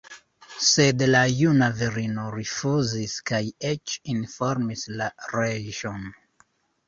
Sed la juna virino rifuzis kaj eĉ informis la reĝon.